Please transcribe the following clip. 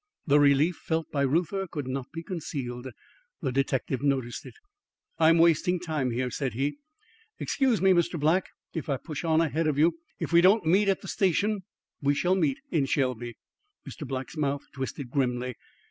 The relief felt by Reuther could not be concealed. The detective noticed it. "I'm wasting time here," said he. "Excuse me, Mr. Black, if I push on ahead of you. If we don't meet at the station, we shall meet in Shelby." Mr. Black's mouth twisted grimly.